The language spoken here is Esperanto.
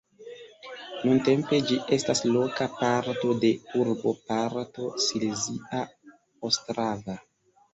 Nuntempe ĝi estas loka parto de urboparto Silezia Ostrava.